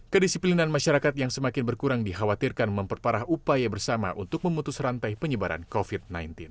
kedisiplinan masyarakat yang semakin berkurang dikhawatirkan memperparah upaya bersama untuk memutus rantai penyebaran covid sembilan belas